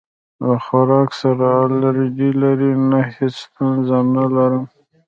د خوراک سره الرجی لرئ؟ نه، هیڅ ستونزه نه لرم